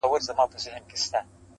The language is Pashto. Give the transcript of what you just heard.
دلته یې بشپړه بڼه لوستلای سئ -